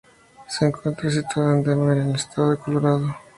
Se encuentra situada en Denver en el estado de Colorado.